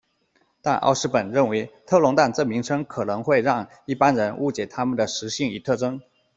但奥斯本认为偷蛋龙这名称可能会让一般人误解它们的食性与特征。